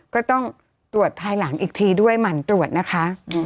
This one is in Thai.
ก็ต้องตรวจภายหลังอีกทีด้วยหมั่นตรวจนะคะ